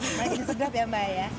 sebenarnya mbak ya